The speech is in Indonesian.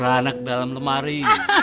ranak dalam lemari